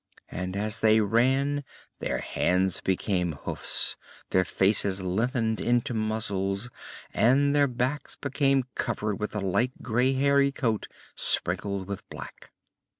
And as they ran, their hands became hoofs, their faces lengthened into muzzles, and their backs became covered with a light gray hairy coat sprinkled with black.